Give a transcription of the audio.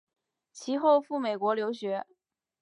其后赴美国留学。